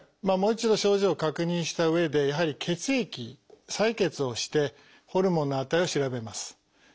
もう一度症状を確認したうえでやはり血液採血をしてホルモンの値を調べます。